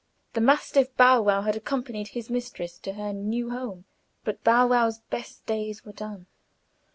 The mastiff Bow wow had accompanied his mistress to her new home; but Bow wow's best days were done.